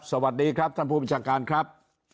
สวัสดีครับท่านผู้บัญชาการครับ